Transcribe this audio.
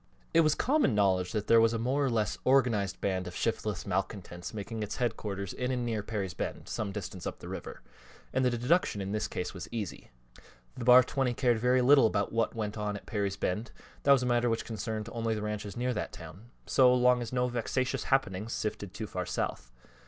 It was common knowledge that there was a more or less organized band of shiftless malcontents making its headquarters in and near Perry's Bend, some distance up the river, and the deduction in this case was easy. The Bar 20 cared very little about what went on at Perry's Bend that was a matter which concerned only the ranches near that town so long as no vexatious happenings sifted too far south.